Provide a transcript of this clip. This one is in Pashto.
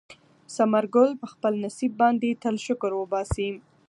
ثمر ګل په خپل نصیب باندې تل شکر وباسي.